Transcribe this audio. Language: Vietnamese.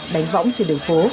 đánh võng trên đường phố